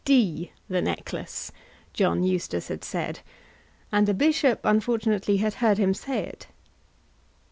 "D the necklace!" John Eustace had said, and the bishop unfortunately had heard him say it!